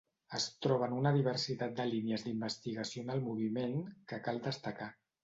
Es troben una diversitat de línies d'investigació en el moviment que cal destacar.